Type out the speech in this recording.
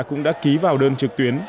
cũng đã ký vào đơn trực tuyến